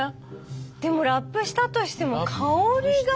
でもラップをしたとしても香りが。